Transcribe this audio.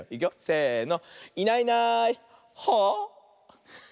せの。